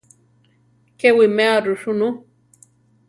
Ke wiméa ru sunú.